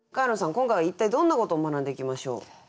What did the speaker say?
今回は一体どんなことを学んでいきましょう？